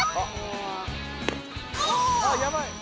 あっやばい。